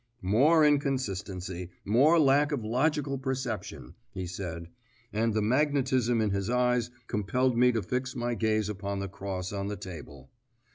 "More inconsistency, more lack of logical perception," he said, and the magnetism in his eyes compelled me to fix my gaze upon the cross on the table.